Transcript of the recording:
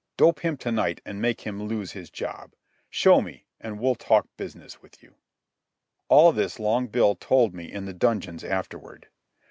Dope him to night an' make him lose his job. Show me, and we'll talk business with you." All this Long Bill told me in the dungeons afterward.